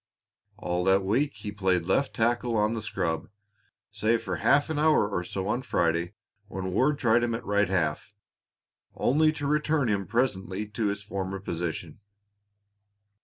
All that week he played left tackle on the scrub, save for half an hour or so on Friday when Ward tried him at right half, only to return him presently to his former position.